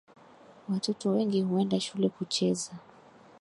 Watoto wengi huenda shule kucheza